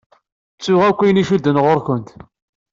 Ttuɣ akk ayen icudden ɣur-kent.